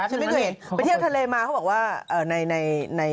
ฉันไม่เคยเห็นไปเที่ยวทะเลมาเขาบอกว่าใน